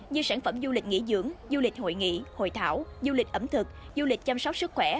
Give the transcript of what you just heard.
như sản phẩm du lịch nghỉ dưỡng du lịch hội nghị hội thảo du lịch ẩm thực du lịch chăm sóc sức khỏe